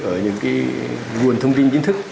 ở những cái nguồn thông tin chính thức